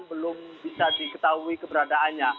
belum bisa diketahui keberadaannya